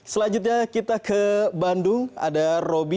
selanjutnya kita ke bandung ada roby